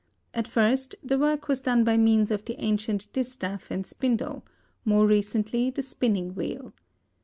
At first the work was done by means of the ancient distaff and spindle, more recently the spinning wheel.